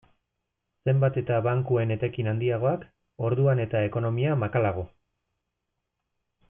Zenbat eta bankuen etekin handiagoak, orduan eta ekonomia makalago.